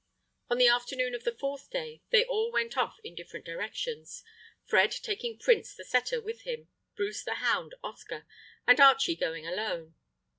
On the afternoon of the fourth day they all went off in different directions, Fred taking Prince the setter with him, Bruce the hound Oscar, and Archie going alone.